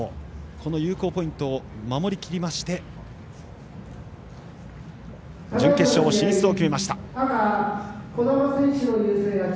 この有効ポイントを守りきりまして準決勝進出を決めました。